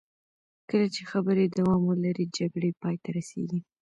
کله چې خبرې دوام ولري، جګړې پای ته رسېږي.